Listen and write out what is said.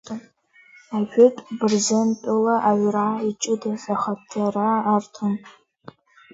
Ажәытә Бырзентәыла аҩра иҷыдаз ахадара арҭон.